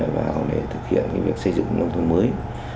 và có thể thực hiện những việc xây dựng nông thôn mới